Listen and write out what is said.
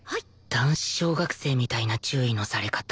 男子小学生みたいな注意のされ方